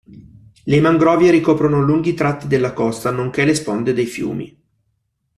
Le mangrovie ricoprono lunghi tratti della costa, nonché le sponde dei fiumi.